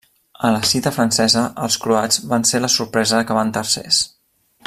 A la cita francesa, els croats van ser la sorpresa acabant tercers.